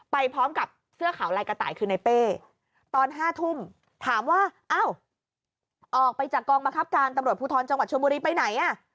ไปพร้อมกับเสื้อขาวลายกระต่ายคือในเป้ตอน๕ทุ่มถามว่าอ้าวออกไปจากกองบังคับการตำรวจภูทรจังหวัดชนบุรีไปไหนอ่ะ